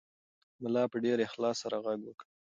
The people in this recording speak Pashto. ملا په ډېر اخلاص سره غږ وکړ.